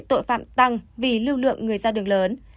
tội phạm tăng vì lưu lượng người ra đường lớn